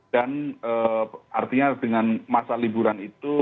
dan artinya dengan masa liburan itu